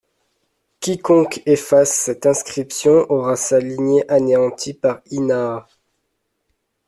Quiconque efface cette inscription aura sa lignée anéantie par Inanna.